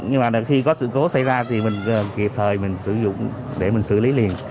nhưng mà khi có sự cố xảy ra thì mình kịp thời mình sử dụng để mình xử lý liền